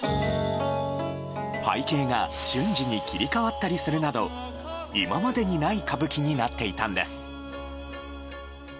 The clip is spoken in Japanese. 背景が瞬時に切り替わったりするなど今までにない歌舞伎になっていたんです。